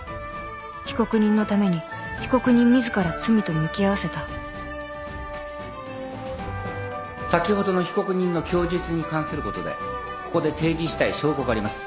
被告人のために被告人自ら罪と向き合わせた先ほどの被告人の供述に関することでここで提示したい証拠があります。